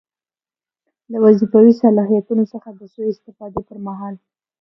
له وظیفوي صلاحیتونو څخه د سوء استفادې پر مهال.